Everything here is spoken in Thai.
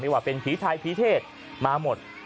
ว่าเป็นผีไทยผีเทศมาหมด